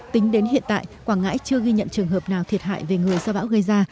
tính đến hiện tại quảng ngãi chưa ghi nhận trường hợp nào thiệt hại về người do bão gây ra